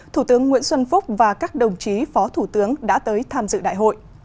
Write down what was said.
thủ tướng nguyễn xuân phúc và các đồng chí phó thủ tướng đã tới tham dự đại hội